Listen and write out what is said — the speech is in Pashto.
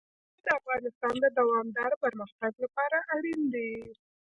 تنوع د افغانستان د دوامداره پرمختګ لپاره اړین دي.